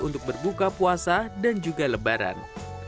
untuk berbuka puasa dan juga lebaran